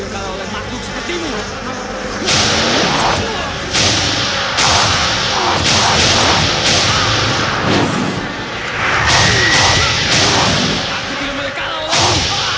kalau kau tak tahu orang lemah harus kau kenalkan